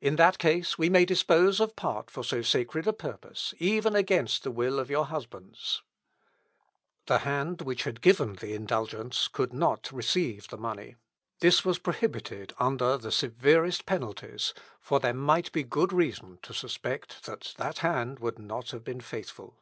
"In that case we may dispose of part for so sacred a purpose, even against the will of your husbands." Instr. 27. "Wieder, den Willen ihres Mannes." The hand which had given the indulgence could not receive the money. This was prohibited under the severest penalties; for there might be good reason to suspect that that hand would not have been faithful.